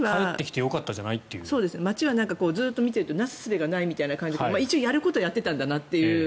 町はずっと見ているとなすすべはないという感じでしたがやることはやっていたんだなと。